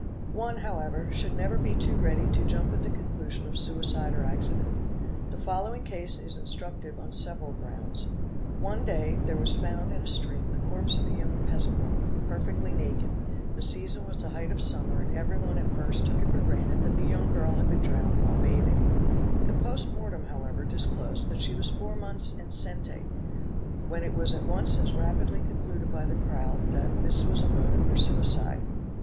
One, however, should never be too ready to jump at the conclusion of suicide or accident. The following case is instructive on several grounds. One day there was found in a stream the corpse of a young peasant woman, perfectly naked; the season was the height of summer and everyone at first took it for granted that the young girl had been drowned while bathing. A post mortem however disclosed that she was four months enceinte, when it was at once as rapidly concluded by the crowd that this was a motive for suicide.